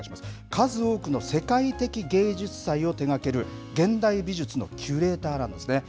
数多くの世界的芸術祭を手がける現代美術のキュレーターなんですね。